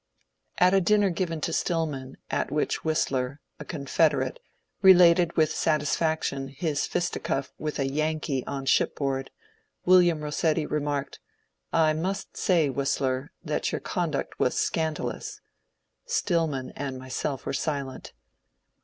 At a dinner given to Stillman, at whioh Whistler (a Con* federate) related with satisfaction his fisticuff with a ^^ Yan kee " on shipboard, William Bossetti remarked, I most say, Whistler, that your conduct was scandalous." (Stillman and myself were silent.)